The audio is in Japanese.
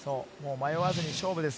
迷わず勝負です。